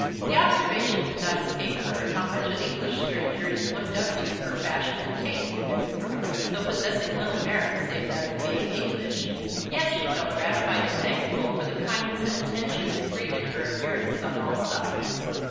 The observation did not escape her how much an English stranger is looked up to for fashion and taste in Edinburgh, though possessing little merit save that of being English; yet she felt gratified and thankful for the kindness and attention that greeted her appearance on all sides.